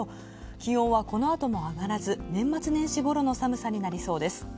気温はこのあとも上がらず、年末年始ごろの寒さになりそうです。